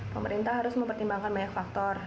pemerintah harus mempertimbangkan banyak faktor